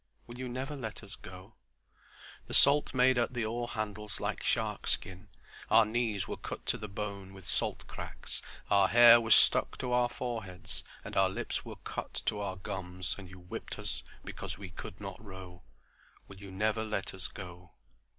"Will you never let us go? "The salt made the oar handles like sharkskin; our knees were cut to the bone with salt cracks; our hair was stuck to our foreheads; and our lips were cut to our gums and you whipped us because we could not row. "Will you never let us go?